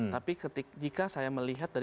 tapi ketika saya melihat dari